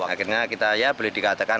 akhirnya kita ya boleh dikatakan